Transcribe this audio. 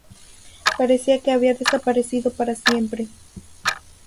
Parecía que había desaparecido para siempre.